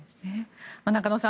中野さん